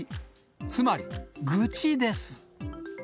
つまり、愚痴です。